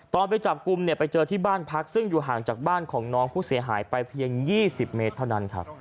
ไปจับกลุ่มเนี่ยไปเจอที่บ้านพักซึ่งอยู่ห่างจากบ้านของน้องผู้เสียหายไปเพียง๒๐เมตรเท่านั้นครับ